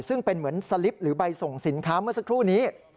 ซึ่งเป็นเหมือนสลิปหรือใบส่งสินค้าเมื่อสักครู่นี้